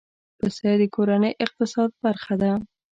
پسه د کورنۍ اقتصاد برخه ده.